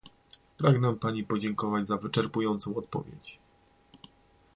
Pragnę Pani podziękować za wyczerpującą odpowiedź